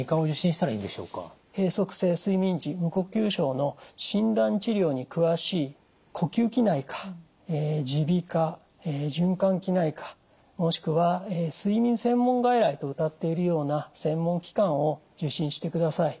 閉塞性睡眠時無呼吸症の診断治療に詳しい呼吸器内科耳鼻科循環器内科もしくは睡眠専門外来とうたっているような専門機関を受診してください。